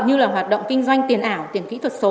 như là hoạt động kinh doanh tiền ảo tiền kỹ thuật số